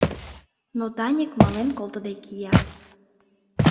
Но Даник мален колтыде кия